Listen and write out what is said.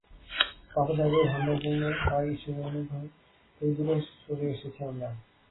পাপাচারের ভান্ডার পূর্ণ হওয়ায় ঈশ্বরের অনুগ্রহ থেকে দূরে সরে এসেছি আমরা!